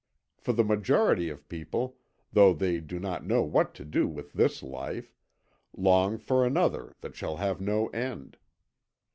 For the majority of people, though they do not know what to do with this life, long for another that shall have no end.